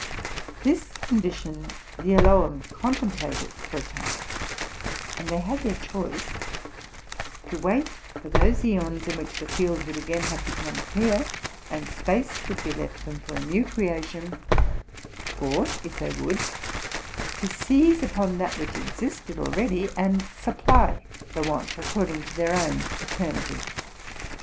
This con dition the Elohim contemplated for a time: and they had their choice, to wait for those eons, in which the field would again have become clear, and: space would be left them for a new creation; or, if they would, to seize upon that which existed already, and supply the want, according to their own eternity.